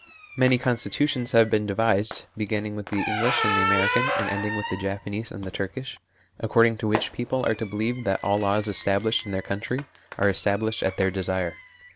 Many constitutions have been devised, begin ning with the English and the American and ending with the Japanese and the Turkish, according to which people are to believe that all laws established in their country are estab lished at their desire.